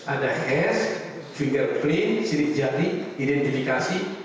ada hash fingerprint sirip jari identifikasi